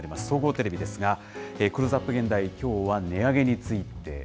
総合テレビですが、クローズアップ現代、きょうは値上げについて。